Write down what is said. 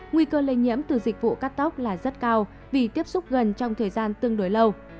nguy cơ lây nhiễm từ dịch vụ cắt tóc là rất cao vì tiếp xúc gần trong thời gian tương đối lâu